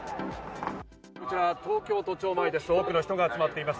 こちら東京都庁前です。